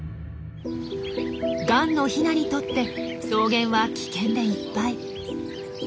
ガンのヒナにとって草原は危険でいっぱい。